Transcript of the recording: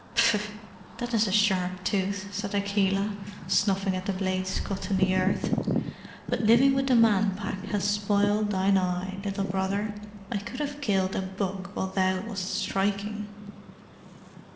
"Phff! That is a sharp tooth," said Akela, snuffing at the blade's cut in the earth, "but living with the Man Pack has spoiled thine eye, Little Brother. I could have killed a buck while thou wast striking."